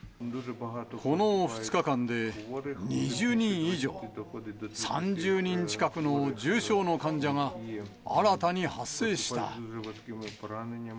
この２日間で２０人以上、３０人近くの重傷の患者が新たに発生した。